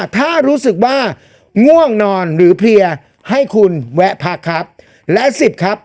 ถ้ารู้สึกว่าง่วงนอนหรือเพลียให้คุณแวะพักครับและสิบครับ